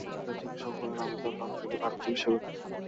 ঢাকার চিকিৎসক বললেন, আমি যেন লন্ডনে গিয়ে ভালো চিকিৎসা গ্রহণ করি।